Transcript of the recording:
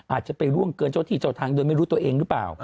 อาจจะไปร่วงเกินเจ้าที่เจ้าทางโดยไม่รู้ตัวเองหรือเปล่า